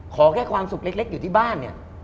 ขอแค่ความสุขเล็กอยู่ที่บ้านเนี่ย